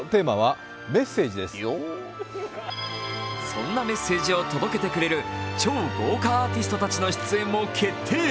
そんなメッセージを届けてくれる超豪華アーティストたちの出演も決定。